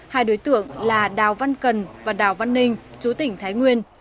hai đối tượng là đào văn cần và đào văn ninh chú tỉnh thái nguyên